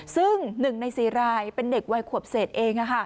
ซึ่ง๑ใน๔รายเป็นเด็กวัยขวบเศษเอง